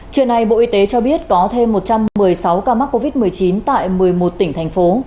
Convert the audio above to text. trưa nay bộ y tế cho biết có thêm một trăm một mươi sáu ca mắc covid một mươi chín tại một mươi một tỉnh thành phố